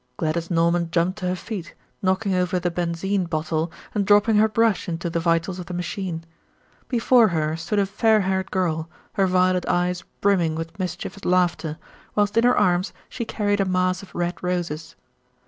Gladys Norman jumped to her feet, knocking over the benzine bottle and dropping her brush into the vitals of the machine. Before her stood a fair haired girl, her violet eyes brimming with mischievous laughter, whilst in her arms she carried a mass of red roses.